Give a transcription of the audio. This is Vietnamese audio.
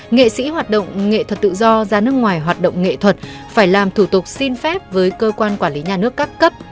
nghệ sĩ hoạt động nghệ thuật tự do ra nước ngoài hoạt động nghệ thuật phải làm thủ tục xin phép với cơ quan quản lý nhà nước các cấp